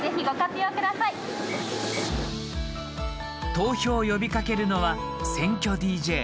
投票を呼びかけるのは選挙ＤＪ。